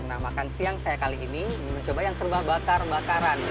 nah makan siang saya kali ini mencoba yang serba bakar bakaran